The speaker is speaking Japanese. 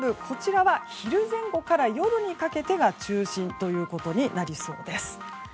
こちらは昼前後から夜にかけてが中心ということになりそうです。